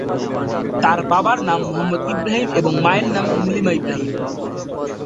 তার বাবার নাম মোহাম্মদ ইব্রাহিম এবং মায়ের নাম নীলিমা ইব্রাহিম।